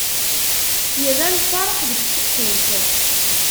Yerra lferḥ deg uceqquf.